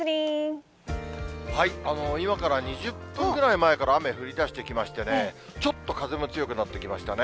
今から２０分ぐらい前から雨、降りだしてきましてね、ちょっと風も強くなってきましたね。